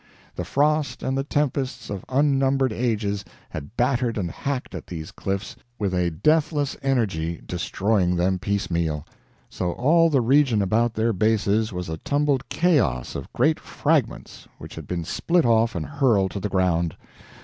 The frost and the tempests of unnumbered ages had battered and hacked at these cliffs, with a deathless energy, destroying them piecemeal; so all the region about their bases was a tumbled chaos of great fragments which had been split off and hurled to the ground.